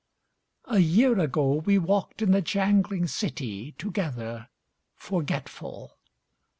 ... A year ago we walked in the jangling city Together .... forgetful.